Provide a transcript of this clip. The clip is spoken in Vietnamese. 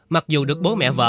mặc dù được bố mẹ vợ